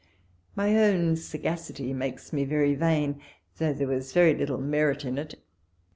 My own sagacity makes me very vain, though there was very little merit in it.